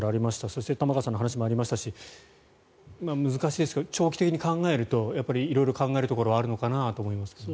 そして玉川さんの話にもありましたが難しいですけど長期的に考えると色々考えるところはあるのかなと思いますけど。